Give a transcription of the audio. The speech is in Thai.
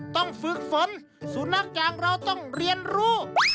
ฝึกฝนสุนัขอย่างเราต้องเรียนรู้